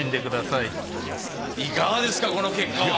いかがですかこの結果は。